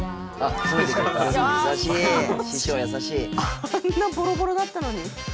あんなボロボロだったのに。